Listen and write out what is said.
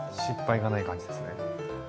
失敗がない感じですね。